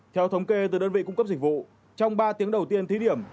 theo thống kê từ đơn vị cung cấp dịch vụ trong ba tiếng đầu tiên thí điểm